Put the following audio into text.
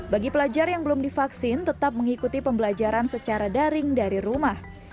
bagi pelajar yang belum divaksin tetap mengikuti pembelajaran secara daring dari rumah